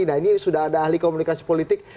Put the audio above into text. nah ini sudah ada ahli komunikasi politik